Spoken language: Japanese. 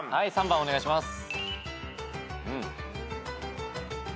３番お願いします。